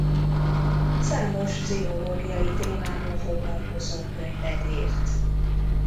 Számos pszichológiai témával foglalkozó könyvet írt.